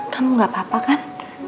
kamu gak apa apa kan